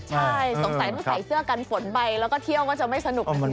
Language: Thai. ใช่สงสัยต้องใส่เสื้อกันฝนไปแล้วก็เที่ยวก็จะไม่สนุก